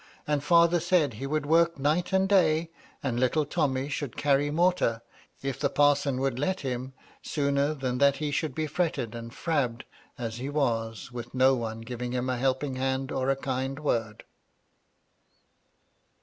And father said he would work night and day, and little Tommy should carry mortar, if the parson would let 288 • MY LADY LUDLOW. him, sooner than that he should be fretted and frabbed as he was, with no one giving him a helping hand or a kind word."